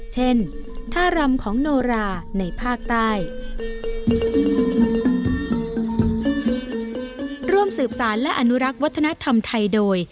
ท่ารำของโนราในภาคใต้